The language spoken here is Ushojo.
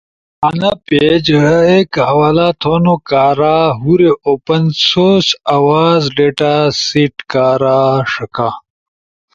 انا پیج ایک حوالا تھونو کارا ہورے اوپن سورس آواز ڈیٹاسیٹ کارا ݜکا،